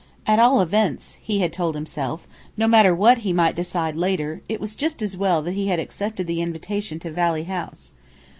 At all events, he had told himself, no matter what he might decide later, it was just as well that he had accepted the invitation to Valley House.